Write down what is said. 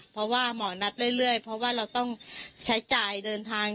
เพราะว่าหมอนัดเรื่อยเพราะว่าเราต้องใช้จ่ายเดินทาง